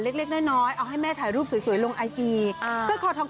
เล็กเล็กน้อยเอาให้แม่ถ่ายรูปสวยลงไอจีสร้อยคอทอง